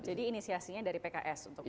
jadi inisiasinya dari pks untuk bertemu